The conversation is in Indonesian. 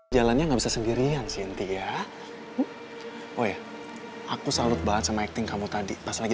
jalannya nggak bisa sendirian sih intinya oh ya aku salut banget sama acting kamu tadi pas lagi